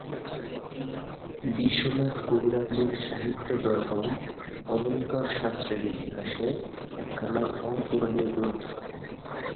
বিশ্বনাথ কবিরাজের সাহিত্যদর্পণ অলঙ্কারশাস্ত্রের ইতিহাসে একখানা অতুলনীয় গ্রন্থ।